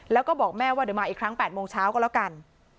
แล้วก็บอกแม่ว่าเดี๋ยวมาอีกครั้ง๘โมงเช้าก็แล้วกัน